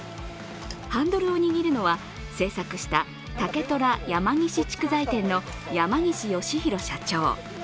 ハンドルを握るのは製作した竹虎山岸竹材店の山岸義浩社長。